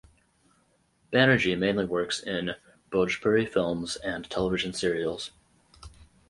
Banerjee mainly works in Bhojpuri films and television serials.